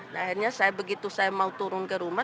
nah akhirnya saya begitu saya mau turun ke rumah